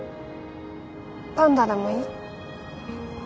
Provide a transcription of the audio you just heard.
パンダでもいい？